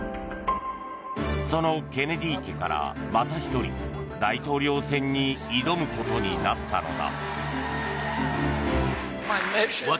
そのケネディ家からまた１人大統領選に挑むことになったのだ。